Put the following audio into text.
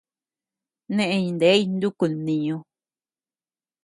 Neʼey ney nukun mniñu.